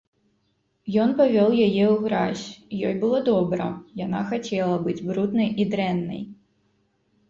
Ён павёў яе ў гразь, ёй было добра, яна хацела быць бруднай і дрэннай.